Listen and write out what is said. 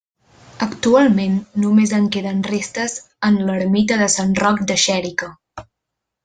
Actualment només en queden restes en l'ermita de Sant Roc de Xèrica.